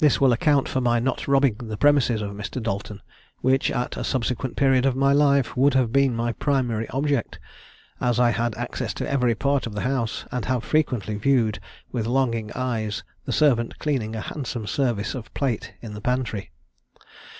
This will account for my not robbing the premises of Mr. Dalton, which, at a subsequent period of my life, would have been my primary object, as I had access to every part of the house, and have frequently viewed with longing eyes the servant cleaning a handsome service of plate in the pantry.